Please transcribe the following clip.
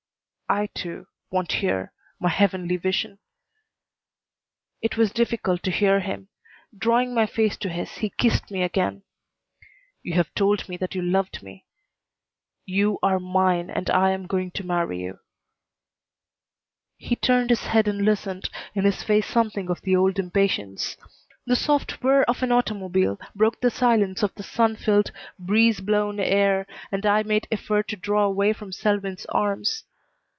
"I, too, want here my heavenly vision." It was difficult to hear him. Drawing my face to his, he kissed me again. "You have told me that you loved me. You are mine and I am going to marry you." He turned his head and listened, in his face something of the old impatience. The soft whir of an automobile broke the silence of the sun filled, breeze blown air, and I made effort to draw away from Selwyn's arms.